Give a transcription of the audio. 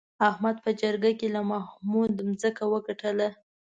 احمد په جرګه کې له محمود ځمکه وګټله.